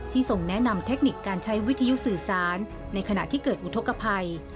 ทรงแนะนำเทคนิคการใช้วิทยุสื่อสารในขณะที่เกิดอุทธกภัย